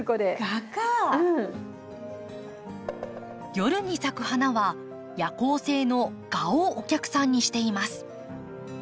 夜に咲く花は夜行性の蛾をお客さんにしています。